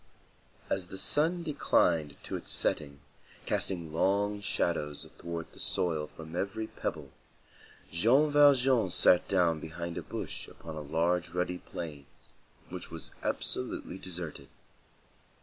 As the sun declined to its setting, casting long shadows athwart the soil from every pebble, Jean Valjean sat down behind a bush upon a large ruddy plain, which was absolutely deserted.